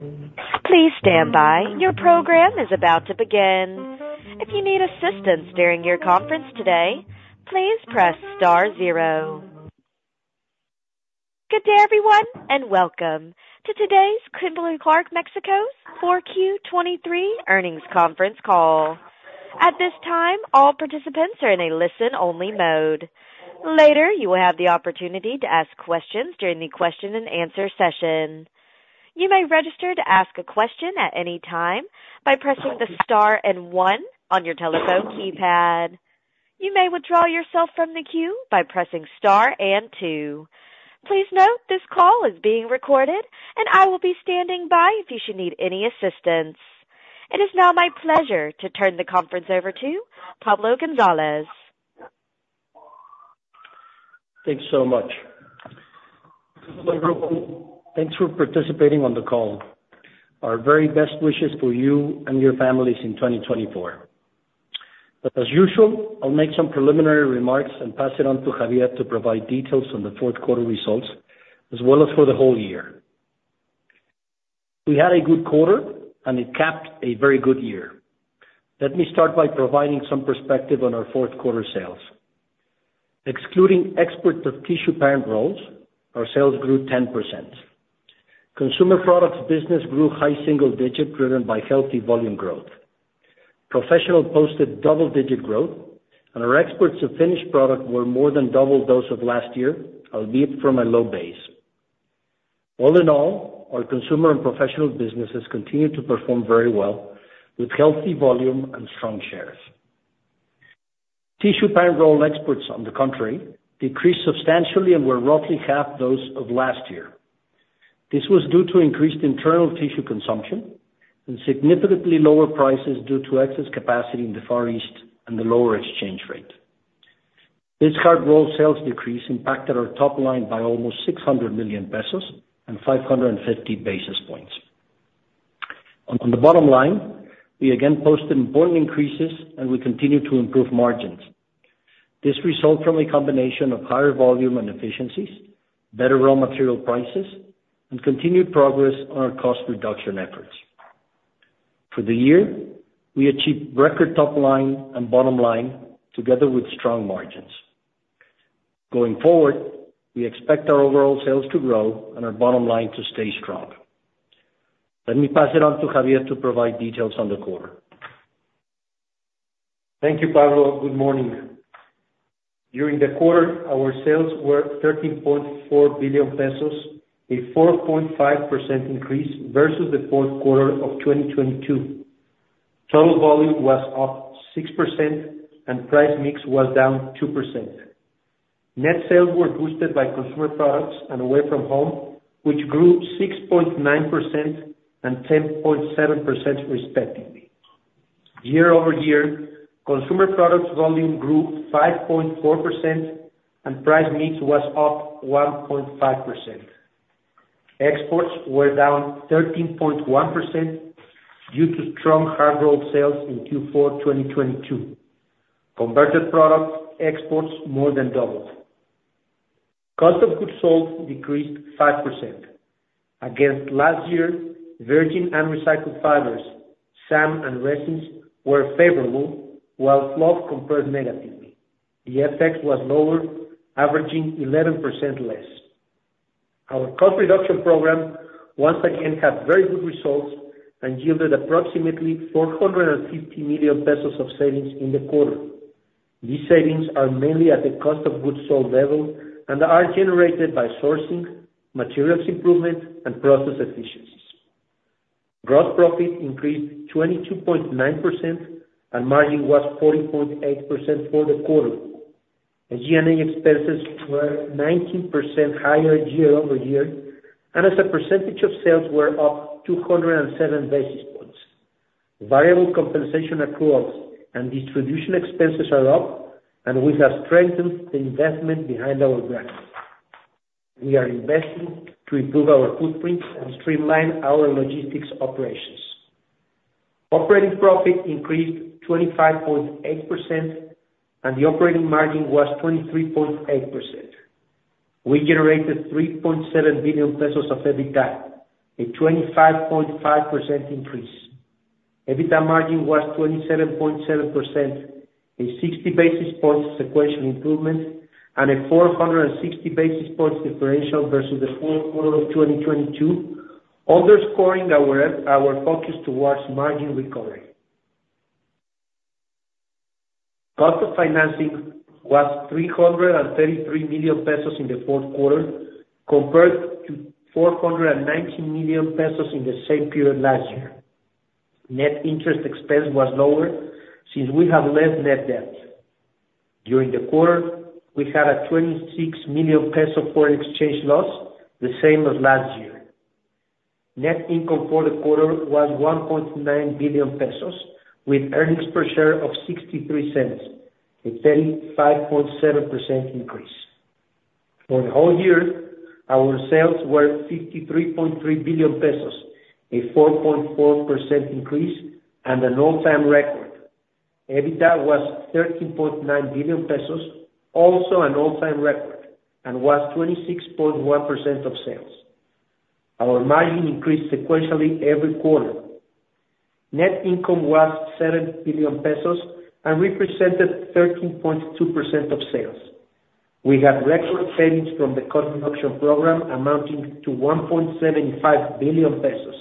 Please stand by. Your program is about to begin. If you need assistance during your conference today, please press star zero. Good day, everyone, and welcome to today's Kimberly-Clark de México's Q4 2023 Earnings Conference Call. At this time, all participants are in a listen-only mode. Later, you will have the opportunity to ask questions during the question and answer session. You may register to ask a question at any time by pressing the star and one on your telephone keypad. You may withdraw yourself from the queue by pressing star and two. Please note, this call is being recorded, and I will be standing by if you should need any assistance. It is now my pleasure to turn the conference over to Pablo González. Thanks so much. Hello, everyone. Thanks for participating on the call. Our very best wishes for you and your families in 2024. But as usual, I'll make some preliminary remarks and pass it on to Xavier to provide details on the fourth quarter results, as well as for the whole year. We had a good quarter, and it capped a very good year. Let me start by providing some perspective on our fourth quarter sales. Excluding exports of tissue parent rolls, our sales grew 10%. Consumer products business grew high single-digit, driven by healthy volume growth. Professional posted double-digit growth, and our exports of finished product were more than double those of last year, albeit from a low base. All in all, our consumer and professional businesses continued to perform very well, with healthy volume and strong shares. Tissue parent roll exports on the contrary decreased substantially and were roughly half those of last year. This was due to increased internal tissue consumption and significantly lower prices due to excess capacity in the Far East and the lower exchange rate. This hard roll sales decrease impacted our top line by almost 600 million pesos and 550 basis points. On the bottom line, we again posted important increases, and we continued to improve margins. This result from a combination of higher volume and efficiencies, better raw material prices, and continued progress on our cost reduction efforts. For the year, we achieved record top line and bottom line, together with strong margins. Going forward, we expect our overall sales to grow and our bottom line to stay strong. Let me pass it on to Xavier to provide details on the quarter. Thank you, Pablo. Good morning. During the quarter, our sales were 13.4 billion pesos, a 4.5% increase versus the fourth quarter of 2022. Total volume was up 6% and price mix was down 2%. Net sales were boosted by consumer products and away from home, which grew 6.9% and 10.7% respectively. Year-over-year, consumer products volume grew 5.4% and price mix was up 1.5%. Exports were down 13.1% due to strong hard roll sales in Q4 2022. Converted products exports more than doubled. Cost of goods sold decreased 5%. Against last year, virgin and recycled fibers, SAM and resins were favorable, while fluff compared negatively. The FX was lower, averaging 11% less. Our cost reduction program once again had very good results and yielded approximately 450 million pesos of savings in the quarter. These savings are mainly at the cost of goods sold level and are generated by sourcing, materials improvement, and process efficiencies. Gross profit increased 22.9%, and margin was 40.8% for the quarter. G&A expenses were 19% higher year-over-year, and as a percentage of sales were up 207 basis points. Variable compensation accruals and distribution expenses are up, and we have strengthened the investment behind our brands. We are investing to improve our footprint and streamline our logistics operations. Operating profit increased 25.8%, and the operating margin was 23.8%. We generated 3.7 billion pesos of EBITDA, a 25.5% increase. EBITDA margin was 27.7%, a 60 basis points sequential improvement, and a 460 basis points differential versus the fourth quarter of 2022, underscoring our our focus towards margin recovery. Cost of financing was 333 million pesos in the fourth quarter, compared to 419 million pesos in the same period last year. Net interest expense was lower, since we have less net debt. During the quarter, we had a 26 million peso foreign exchange loss, the same as last year. Net income for the quarter was 1.9 billion pesos, with earnings per share of 0.63, a 35.7% increase. For the whole year, our sales were 53.3 billion pesos, a 4.4% increase and an all-time record. EBITDA was 13.9 billion pesos, also an all-time record, and was 26.1% of sales. Our margin increased sequentially every quarter. Net income was 7 billion pesos and represented 13.2% of sales. We had record savings from the cost reduction program amounting to 1.75 billion pesos,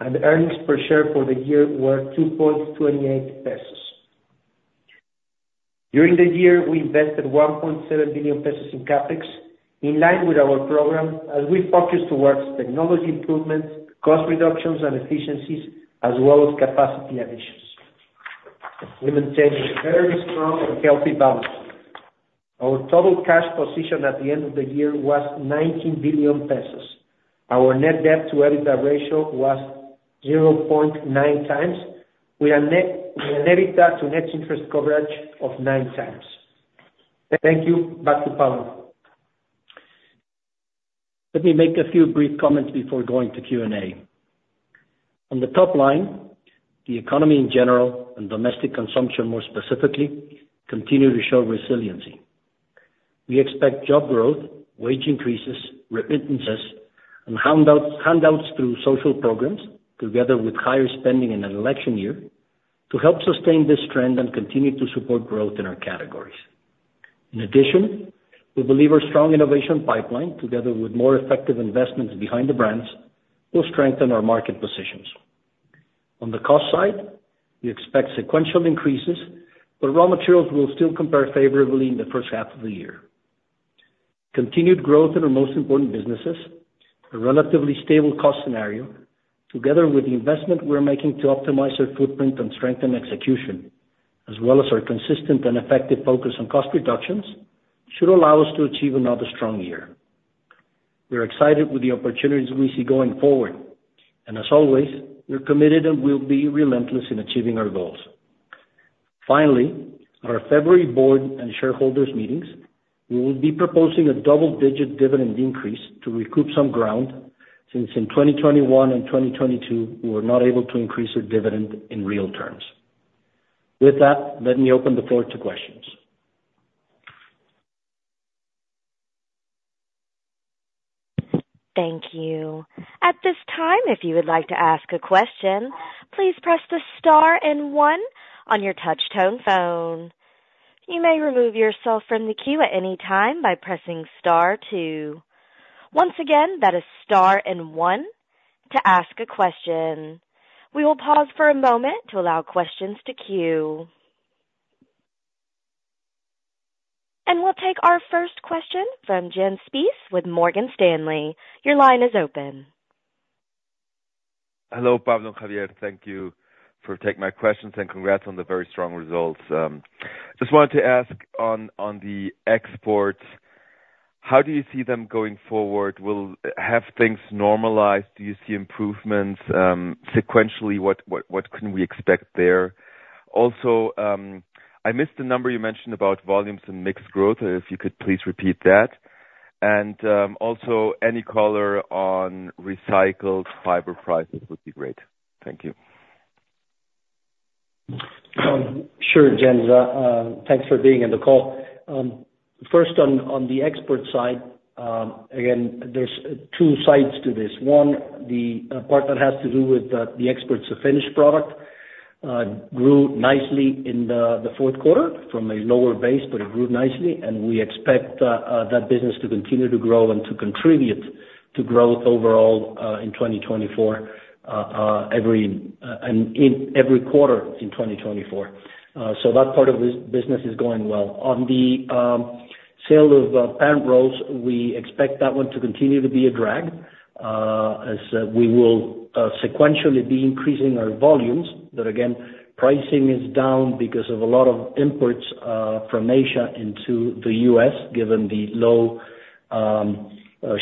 and Earnings Per Share for the year were 2.28 pesos. During the year, we invested 1.7 billion pesos in CapEx, in line with our program, as we focused towards technology improvements, cost reductions and efficiencies, as well as capacity additions. We maintained a very strong and healthy balance. Our total cash position at the end of the year was 19 billion pesos. Our net debt to EBITDA ratio was 0.9x. We had an EBITDA to net interest coverage of 9x. Thank you. Back to Pablo. Let me make a few brief comments before going to Q&A. On the top line, the economy in general, and domestic consumption more specifically, continue to show resiliency. We expect job growth, wage increases, remittances, and handouts through social programs, together with higher spending in an election year, to help sustain this trend and continue to support growth in our categories. In addition, we believe our strong innovation pipeline, together with more effective investments behind the brands, will strengthen our market positions. On the cost side, we expect sequential increases, but raw materials will still compare favorably in the first half of the year. Continued growth in our most important businesses, a relatively stable cost scenario, together with the investment we're making to optimize our footprint and strengthen execution, as well as our consistent and effective focus on cost reductions, should allow us to achieve another strong year. We are excited with the opportunities we see going forward, and as always, we're committed and we'll be relentless in achieving our goals. Finally, at our February board and shareholders meetings, we will be proposing a double-digit dividend increase to recoup some ground, since in 2021 and 2022, we were not able to increase our dividend in real terms. With that, let me open the floor to questions. Thank you. At this time, if you would like to ask a question, please press the star and one on your touch tone phone. You may remove yourself from the queue at any time by pressing star two. Once again, that is star and one to ask a question. We will pause for a moment to allow questions to queue. And we'll take our first question from Jens Spiess with Morgan Stanley. Your line is open. Hello, Pablo and Xavier. Thank you for taking my questions, and congrats on the very strong results. Just wanted to ask on the exports, how do you see them going forward? Will things have normalized? Do you see improvements? Sequentially, what can we expect there? Also, I missed the number you mentioned about volumes and mixed growth, if you could please repeat that. And also, any color on recycled fiber prices would be great. Thank you. Sure, Jens, thanks for being on the call. First on the export side, again, there's two sides to this: one, the part that has to do with the exports of finished product grew nicely in the fourth quarter from a lower base, but it grew nicely, and we expect that business to continue to grow and to contribute to growth overall in 2024 and in every quarter in 2024. So that part of this business is going well. On the sale of parent rolls, we expect that one to continue to be a drag as we will sequentially be increasing our volumes. But again, pricing is down because of a lot of imports from Asia into the U.S., given the low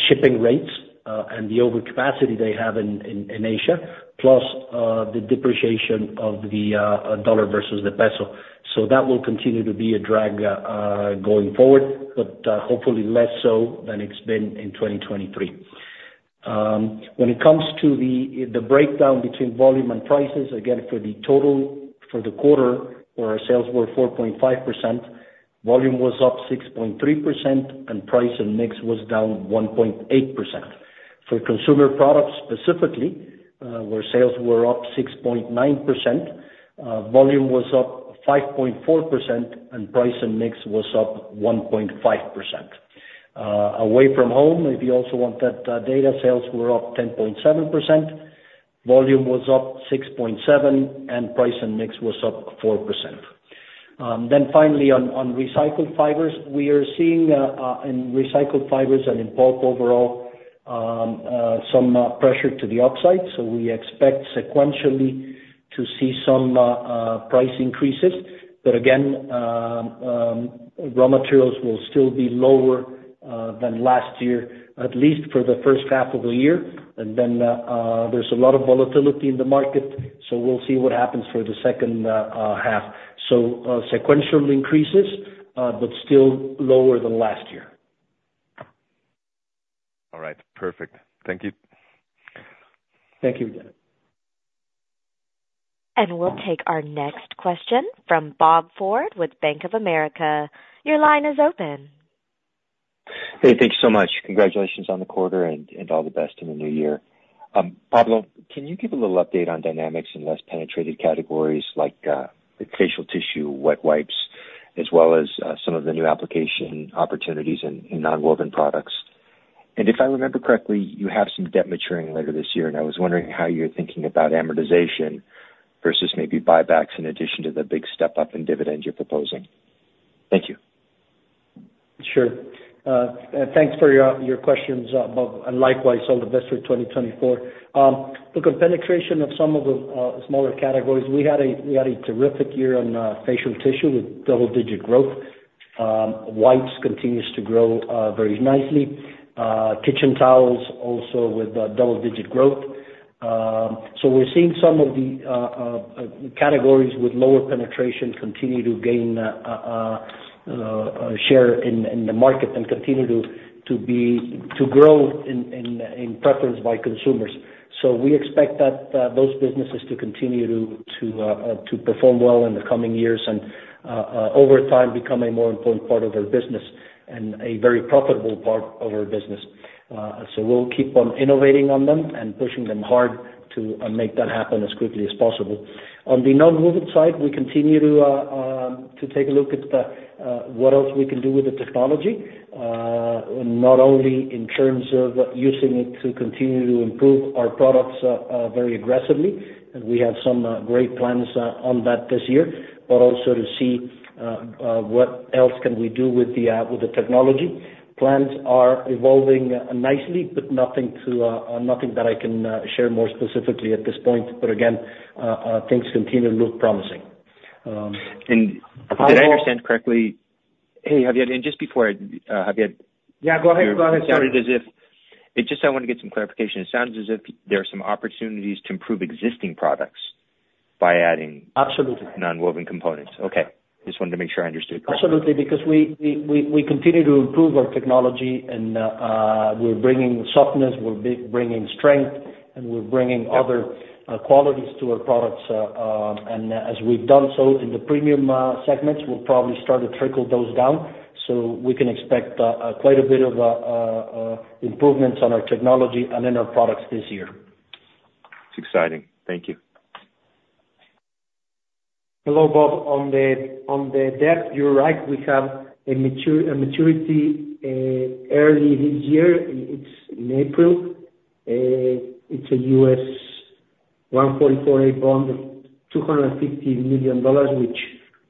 shipping rates and the overcapacity they have in Asia, plus the depreciation of the dollar versus the peso. So that will continue to be a drag going forward, but hopefully less so than it's been in 2023. When it comes to the breakdown between volume and prices, again, for the total for the quarter, where our sales were 4.5%, volume was up 6.3%, and price and mix was down 1.8%. For consumer products specifically, where sales were up 6.9%, volume was up 5.4%, and price and mix was up 1.5%. Away from home, if you also want that data, sales were up 10.7%, volume was up 6.7%, and price and mix was up 4%. Then finally on recycled fibers, we are seeing in recycled fibers and in pulp overall some pressure to the upside, so we expect sequentially to see some price increases. But again, raw materials will still be lower than last year, at least for the first half of the year. And then, there's a lot of volatility in the market, so we'll see what happens for the second half. So, sequential increases, but still lower than last year. All right, perfect. Thank you. Thank you, Jens. We'll take our next question from Bob Ford with Bank of America. Your line is open. Hey, thank you so much. Congratulations on the quarter and, and all the best in the new year. Pablo, can you give a little update on dynamics in less penetrated categories like the facial tissue, wet wipes, as well as some of the new application opportunities in nonwoven products? And if I remember correctly, you have some debt maturing later this year, and I was wondering how you're thinking about amortization versus maybe buybacks in addition to the big step up in dividends you're proposing. Thank you. Sure. Thanks for your questions, Bob, and likewise, all the best for 2024. Look, on penetration of some of the smaller categories, we had a terrific year on facial tissue with double digit growth. Wipes continues to grow very nicely. Kitchen towels also with double digit growth. So we're seeing some of the categories with lower penetration continue to gain share in the market and continue to grow in preference by consumers. So we expect that those businesses to continue to perform well in the coming years and over time, become a more important part of our business and a very profitable part of our business. So we'll keep on innovating on them and pushing them hard to make that happen as quickly as possible. On the nonwoven side, we continue to take a look at what else we can do with the technology, not only in terms of using it to continue to improve our products very aggressively, and we have some great plans on that this year, but also to see what else we can do with the technology. Plans are evolving nicely, but nothing that I can share more specifically at this point. But again, things continue to look promising. Did I understand correctly? Hey, Xavier, and just before I, Xavier. Yeah, go ahead. Go ahead, sorry. It sounded as if. It's just I want to get some clarification. It sounds as if there are some opportunities to improve existing products by adding- Absolutely. Nonwoven components. Okay, just wanted to make sure I understood correctly. Absolutely, because we continue to improve our technology, and we're bringing softness, we're bringing strength, and we're bringing other, Yeah qualities to our products. As we've done so in the premium segments, we'll probably start to trickle those down so we can expect quite a bit of improvements on our technology and in our products this year. It's exciting. Thank you. Hello, Bob. On the debt, you're right, we have a maturity early this year. It's in April. It's a U.S. 144A bond, $250 million, which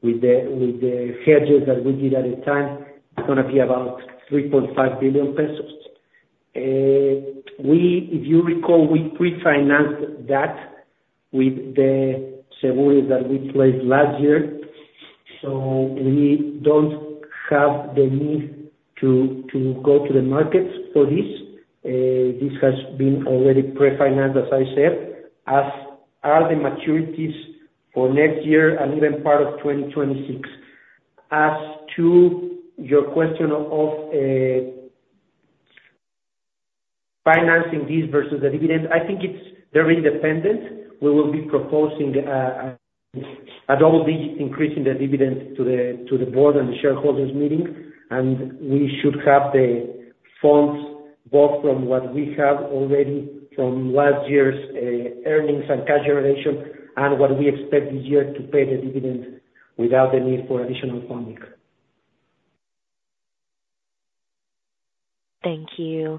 with the hedges that we did at the time, it's gonna be about 3.5 billion pesos. We, if you recall, we pre-financed that with the securities that we placed last year, so we don't have the need to go to the market for this. This has been already pre-financed, as I said, as are the maturities for next year and even part of 2026. As to your question of financing this versus the dividend, I think it's very independent. We will be proposing a double-digit increase in the dividend to the board and the shareholders meeting, and we should have the funds, both from what we have already from last year's earnings and cash generation and what we expect this year to pay the dividend without the need for additional funding. Thank you.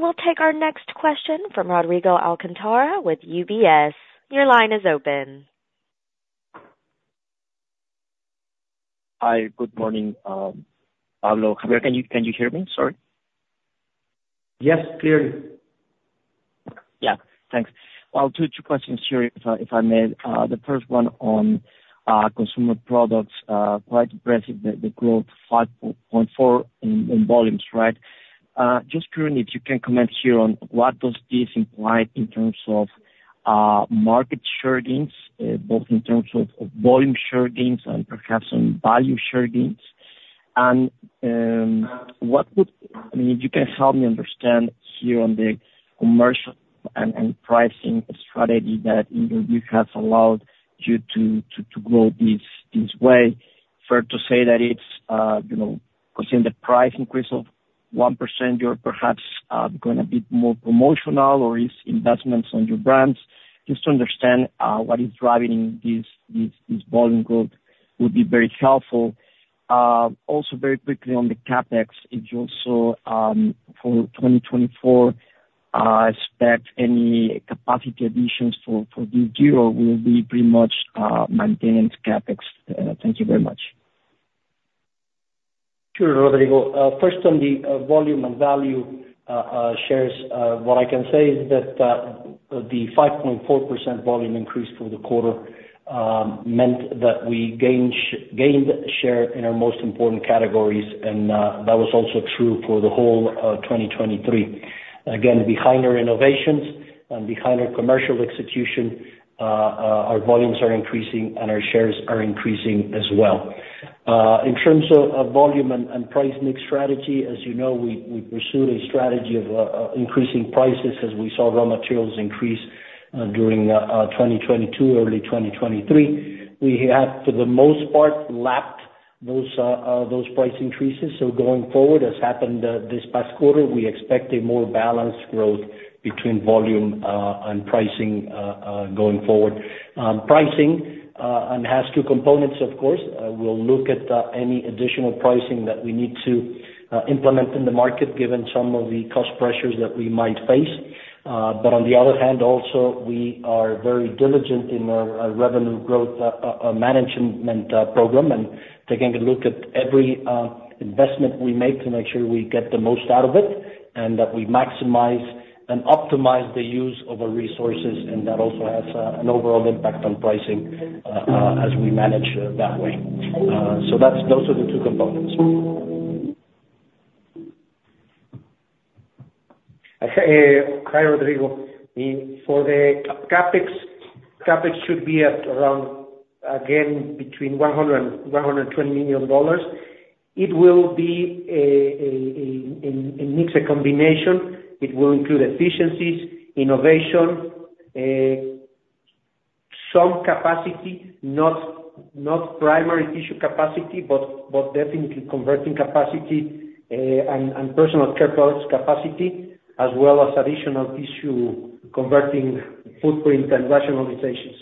We'll take our next question from Rodrigo Alcántara with UBS. Your line is open. Hi, good morning, Pablo. Can you, can you hear me? Sorry. Yes, clearly. Yeah, thanks. Well, two questions here, if I may. The first one on consumer products. Quite impressive, the growth, 5.4% in volumes, right? Just currently, if you can comment here on what does this imply in terms of market share gains, both in terms of volume share gains and perhaps some value share gains? And, what would. I mean, if you can help me understand here on the commercial and pricing strategy that, you know, you have allowed you to grow this way, fair to say that it's, you know, considering the price increase of 1%, you're perhaps going a bit more promotional or is investments on your brands? Just to understand what is driving this volume growth would be very helpful. Also, very quickly on the CapEx, if you also, for 2024, expect any capacity additions for this year or will be pretty much maintenance CapEx? Thank you very much. Sure, Rodrigo. First on the volume and value shares, what I can say is that the 5.4% volume increase for the quarter meant that we gained share in our most important categories, and that was also true for the whole 2023. Again, behind our innovations and behind our commercial execution, our volumes are increasing and our shares are increasing as well. In terms of volume and price mix strategy, as you know, we pursued a strategy of increasing prices as we saw raw materials increase during 2022, early 2023. We have, for the most part, lapped those price increases. So going forward, as happened this past quarter, we expect a more balanced growth between volume and pricing going forward. Pricing and has two components, of course. We'll look at any additional pricing that we need to implement in the market, given some of the cost pressures that we might face. But on the other hand, also, we are very diligent in our revenue growth management program, and taking a look at every investment we make to make sure we get the most out of it, and that we maximize and optimize the use of our resources, and that also has an overall impact on pricing as we manage that way. So those are the two components. Hi, Rodrigo. For the CapEx, CapEx should be at around, again, between $100 million-$120 million. It will be a mix, a combination. It will include efficiencies, innovation, some capacity, not primary tissue capacity, but definitely converting capacity, and personal care products capacity, as well as additional tissue converting footprint and rationalizations.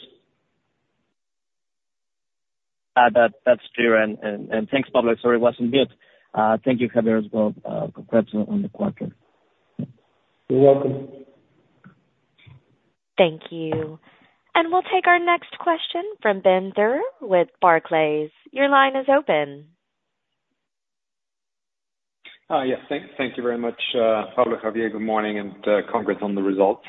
That's clear, and thanks, Pablo. Sorry it wasn't good. Thank you, Xavier, as well. Congrats on the quarter. You're welcome. Thank you. We'll take our next question from Ben Theurer with Barclays. Your line is open. Yes, thank you very much, Pablo, Xavier, good morning, and congrats on the results.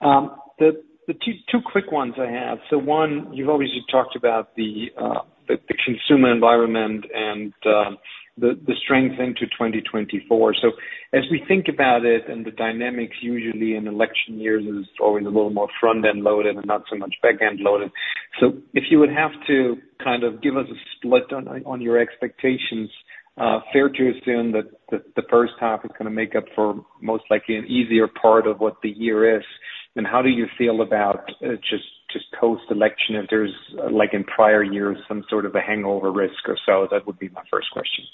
The two quick ones I have: so one, you've obviously talked about the consumer environment and the strength into 2024. So as we think about it and the dynamics usually in election years is always a little more front-end loaded and not so much back-end loaded. So if you would have to kind of give us a split on your expectations, fair to assume that the first half is gonna make up for most likely an easier part of what the year is? And how do you feel about just post-election, if there's, like in prior years, some sort of a hangover risk or so? That would be my first question.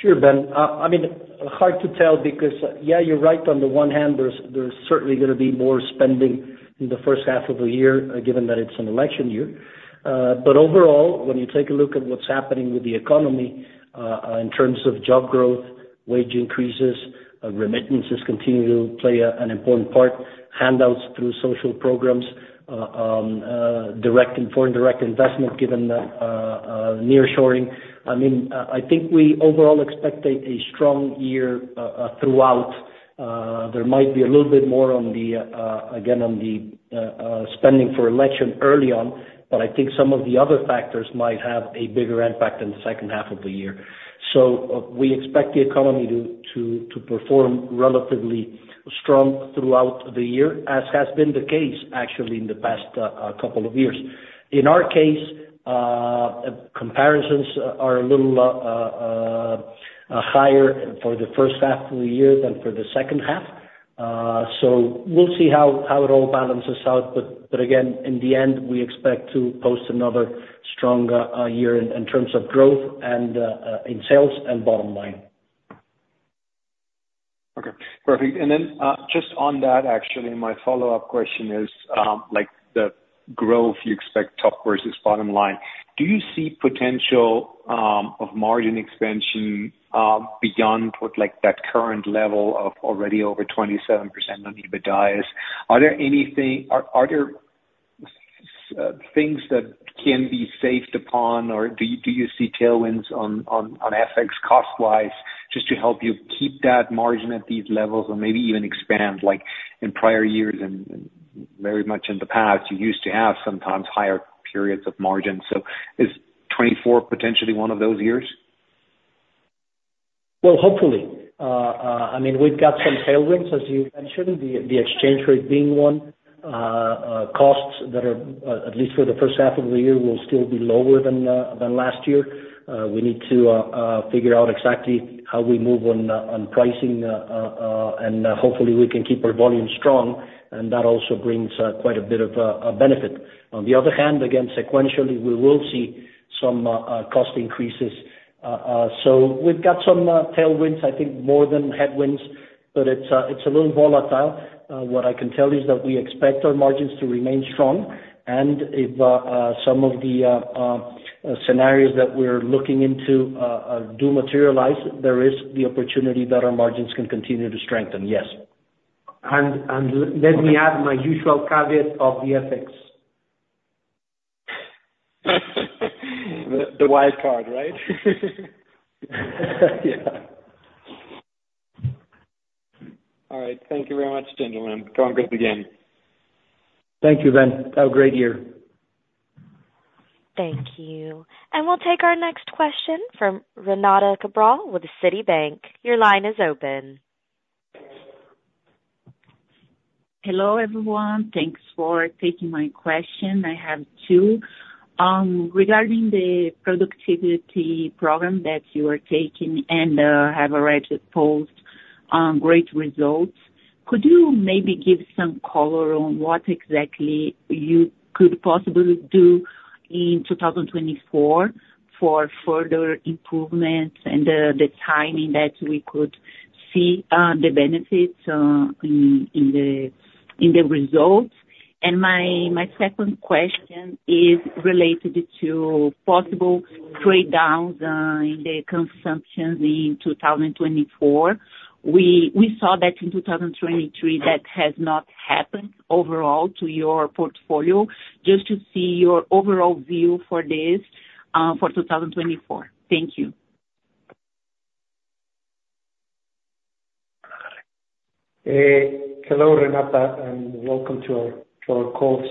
Sure, Ben. I mean, hard to tell because, yeah, you're right. On the one hand, there's certainly gonna be more spending in the first half of the year, given that it's an election year. But overall, when you take a look at what's happening with the economy, in terms of job growth, wage increases, remittances continue to play a, an important part, handouts through social programs, direct and foreign direct investment, given the nearshoring. I mean, I think we overall expect a, a strong year, throughout. There might be a little bit more on the, again, on the spending for election early on, but I think some of the other factors might have a bigger impact in the second half of the year. So we expect the economy to perform relatively strong throughout the year, as has been the case actually in the past couple of years. In our case, comparisons are a little higher for the first half of the year than for the second half. So we'll see how it all balances out, but again, in the end, we expect to post another strong year in terms of growth and in sales and bottom line. Okay, perfect. And then, just on that, actually, my follow-up question is, like the growth you expect top versus bottom line, do you see potential of margin expansion, beyond what like that current level of already over 27% on EBITDA is? Are there anything, are there things that can be saved upon, or do you see tailwinds on FX cost-wise just to help you keep that margin at these levels or maybe even expand, like in prior years and very much in the past, you used to have sometimes higher periods of margins. So is 2024 potentially one of those years? Well, hopefully. I mean, we've got some tailwinds, as you mentioned, the exchange rate being one. Costs that are, at least for the first half of the year, will still be lower than last year. We need to figure out exactly how we move on pricing, and hopefully we can keep our volume strong, and that also brings quite a bit of benefit. On the other hand, again, sequentially, we will see some cost increases. So we've got some tailwinds, I think more than headwinds, but it's a little volatile. What I can tell you is that we expect our margins to remain strong, and if some of the scenarios that we're looking into do materialize, there is the opportunity that our margins can continue to strengthen, yes. Let me add my usual caveat of the FX. The wild card, right? Yeah. All right. Thank you very much, gentlemen. Congrats again. Thank you, Ben. Have a great year. Thank you. We'll take our next question from Renata Cabral with Citibank. Your line is open. Hello, everyone. Thanks for taking my question. I have two. Regarding the productivity program that you are taking and have already posted great results, could you maybe give some color on what exactly you could possibly do in 2024 for further improvements and the timing that we could see the benefits in the results? And my second question is related to possible trade downs in the consumptions in 2024. We saw that in 2023, that has not happened overall to your portfolio. Just to see your overall view for this for 2024. Thank you. Hello, Renata, and welcome to our calls.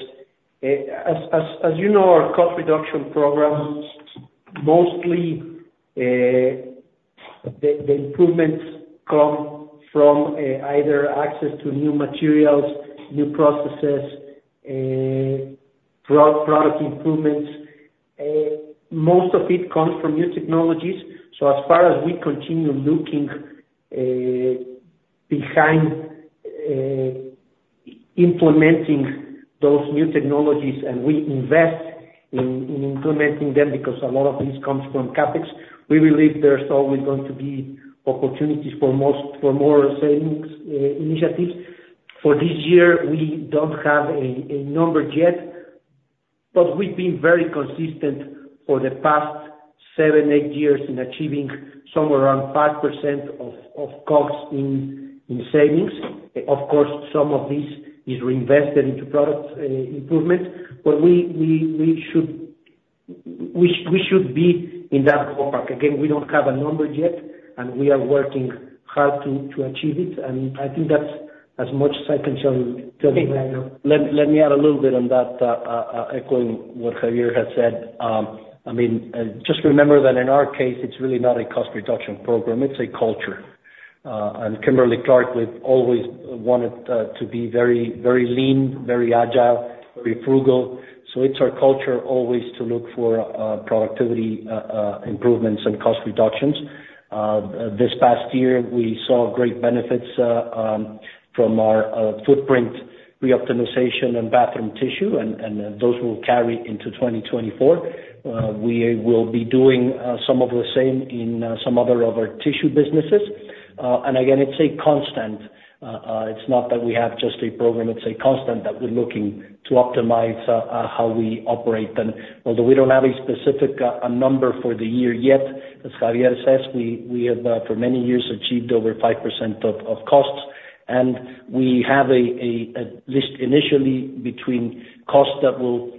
As you know, our cost reduction programs, mostly the improvements come from either access to new materials, new processes, product improvements, most of it comes from new technologies. So as far as we continue looking behind implementing those new technologies, and we invest in implementing them, because a lot of this comes from CapEx, we believe there's always going to be opportunities for more savings initiatives. For this year, we don't have a number yet, but we've been very consistent for the past seven, eight years in achieving somewhere around 5% of costs in savings. Of course, some of this is reinvested into product improvement, but we should be in that ballpark. Again, we don't have a number yet, and we are working hard to achieve it, and I think that's as much as I can tell you right now. Let me add a little bit on that, echoing what Xavier has said. I mean, just remember that in our case, it's really not a cost reduction program, it's a culture. And Kimberly-Clark, we've always wanted to be very, very lean, very agile, very frugal. So it's our culture always to look for productivity improvements and cost reductions. This past year, we saw great benefits from our footprint reoptimization and bathroom tissue, and, and those will carry into 2024. We will be doing some of the same in some other of our tissue businesses. And again, it's a constant. It's not that we have just a program, it's a constant that we're looking to optimize how we operate. Although we don't have a specific number for the year yet, as Xavier says, we have for many years achieved over 5% of costs. We have at least initially between costs that will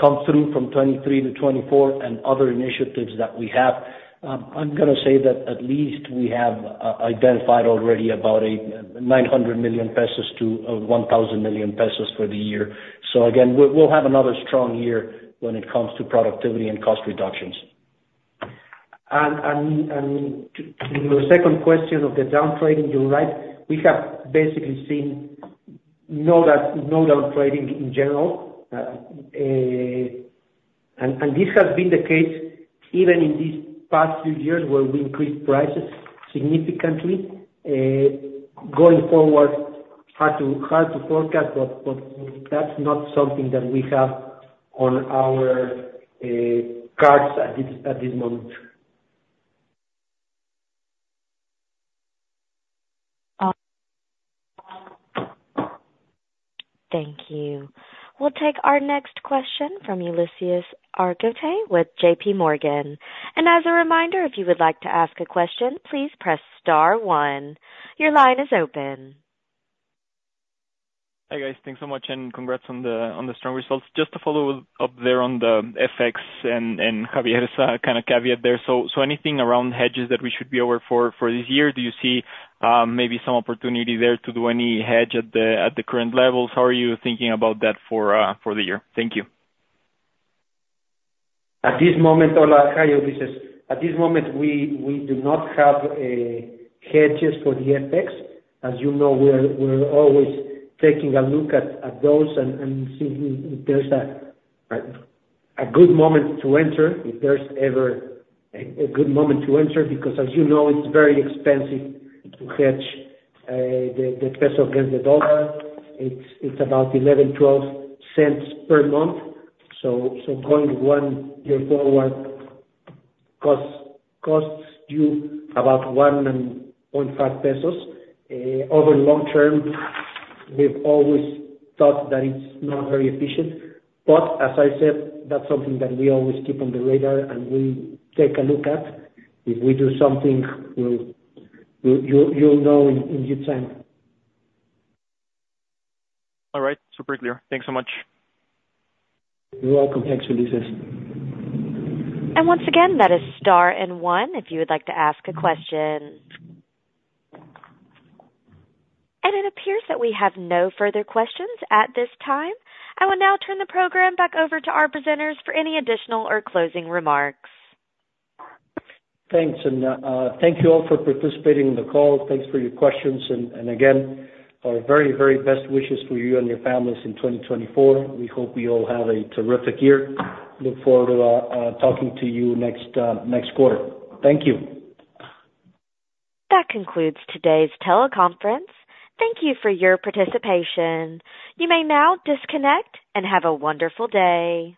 come through from 2023 to 2024 and other initiatives that we have. I'm gonna say that at least we have identified already about 900 million-1,000 million pesos for the year. So again, we'll have another strong year when it comes to productivity and cost reductions. To your second question of the down trading, you're right, we have basically seen no down trading in general. This has been the case even in these past few years, where we increased prices significantly. Going forward, hard to forecast, but that's not something that we have on our cards at this moment. Thank you. We'll take our next question from Ulises Argote with J.P. Morgan. As a reminder, if you would like to ask a question, please press star one. Your line is open. Hi, guys. Thanks so much, and congrats on the strong results. Just to follow up there on the FX and Xavier's kind of caveat there. So anything around hedges that we should be aware for this year? Do you see maybe some opportunity there to do any hedge at the current levels? How are you thinking about that for the year? Thank you. At this moment, hi, Ulises. At this moment, we do not have hedges for the FX. As you know, we are always taking a look at those and seeing if there's a good moment to enter, if there's ever a good moment to enter. Because as you know, it's very expensive to hedge the peso against the dollar. It's about $0.11-$0.12 per month, so going one year forward costs you about 1.5 pesos. Over long term, we've always thought that it's not very efficient, but as I said, that's something that we always keep on the radar and we take a look at. If we do something, we'll, you'll know in due time. All right. Super clear. Thanks so much. You're welcome. Thanks, Ulises. Once again, that is star and one if you would like to ask a question. It appears that we have no further questions at this time. I will now turn the program back over to our presenters for any additional or closing remarks. Thanks, and thank you all for participating in the call. Thanks for your questions. And again, our very, very best wishes for you and your families in 2024. We hope you all have a terrific year. Look forward to talking to you next quarter. Thank you. That concludes today's teleconference. Thank you for your participation. You may now disconnect and have a wonderful day!